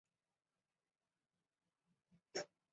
曼绒县的学校主要由曼绒县教育局管辖。